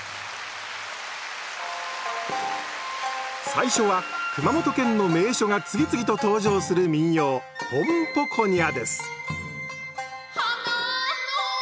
最初は熊本県の名所が次々と登場する民謡「ポンポコニャ」です